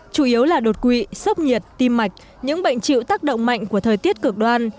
chủ yếu là đột quỵ sốc nhiệt tim mạch những bệnh chịu tác động mạnh của thời tiết cực đoan